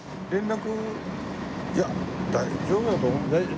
いや大丈夫だと思います。